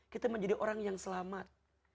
kita menjadi orang yang selamat